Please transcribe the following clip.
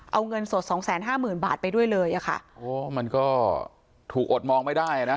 เอาเงินสดสองแสนห้าหมื่นบาทไปด้วยเลยอ่ะค่ะโอ้มันก็ถูกอดมองไม่ได้อ่ะนะ